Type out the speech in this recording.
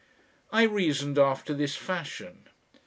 I reasoned after this fashion.